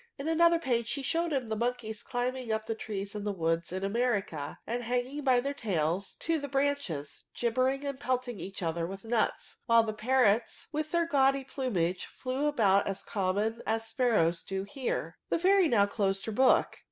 In another page she showed him the monkies climbing up the trees in the woods in America, and hanging by their tails to the branches, gibbering and pelting each other with nuts; while the parrots, with their gaudy plumage, flew about as common as sparrows do here. The fairy now closed her book.